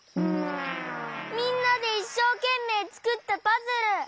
みんなでいっしょうけんめいつくったパズル！